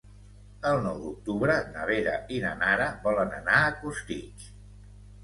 El nou d'octubre na Vera i na Nara volen anar a Costitx.